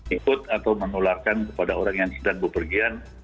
ikut atau menularkan kepada orang yang sedang berpergian